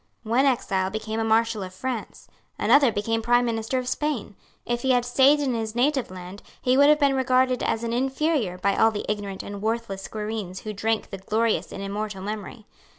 One exile became a Marshal of France. Another became Prime Minister of Spain. If he had staid in his native land he would have been regarded as an inferior by all the ignorant and worthless squireens who drank the glorious and immortal memory.